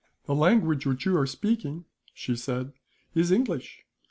"The language which you are speaking," she said, "is English.